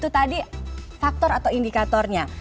itu tadi faktor atau indikatornya